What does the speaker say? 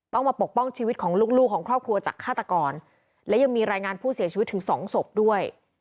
มาปกป้องชีวิตของลูกของครอบครัวจากฆาตกรและยังมีรายงานผู้เสียชีวิตถึงสองศพด้วย